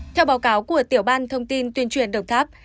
theo báo cáo của tiểu ban thông tin tuyên truyền đồng tháp